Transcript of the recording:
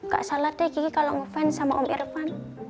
ga salah deh kiki kalo ngefans sama om irfan